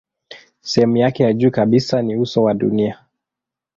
Sehemu yake ya juu kabisa ni uso wa dunia.